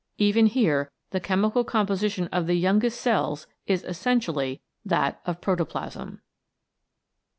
Even here the chemical com position of the youngest cells is essentially that of protoplasm.